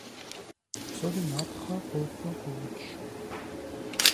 Псори матхъэ, къофэ, къуоудж…